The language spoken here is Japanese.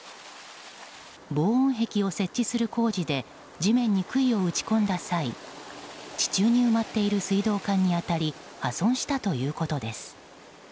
防音壁を設置する工事で地面に杭を打ち込んだ際地中に埋まっている水道管に当たり破損したということです。